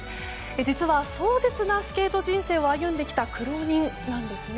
実は壮絶なスケート人生を歩んできた苦労人なんですね。